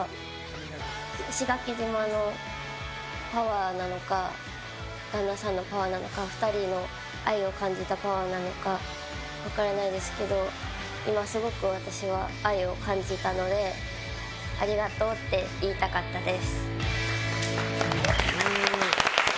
石垣島のパワーなのか旦那さんのパワーなのか２人の愛を感じたパワーなのか分からないですけど今私はすごく愛を感じたのでありがとうって言いたかったです。